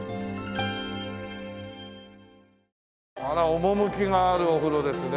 あら趣があるお風呂ですね。